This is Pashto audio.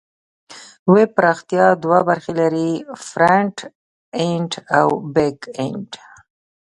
ویب پراختیا دوه برخې لري: فرنټ اینډ او بیک اینډ.